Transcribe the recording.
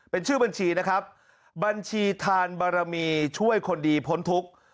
เป็นชื่อบัญชีนะครับบัญชีทานบารมีช่วยคนดีพ้นทุกข์